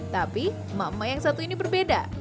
tapi emak emak yang satu ini berbeda